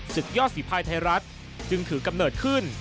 ศึกยอดฝีภายไทยรัฐจึงถือกำเนิดขึ้น